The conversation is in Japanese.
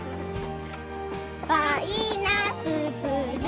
パイナツプル。